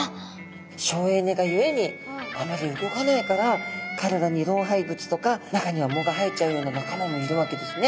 省エネがゆえにあまり動かないから体に老廃物とか中には藻が生えちゃうような仲間もいるわけですね。